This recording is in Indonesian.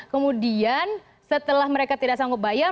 kemudian setelah mereka tidak sanggup bayar